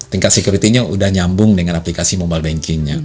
tingkat security nya udah nyambung dengan aplikasi mobile banking nya